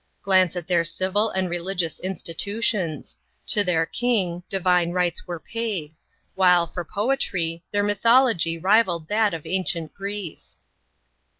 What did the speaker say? Glance at their civil and religious institutions. To their king, divine rites were paid; while, for poetry, their mythology rivalled that of ancient Greece.